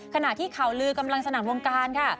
ขณะที่เขาลือกำลังสนับโรงการค่ะ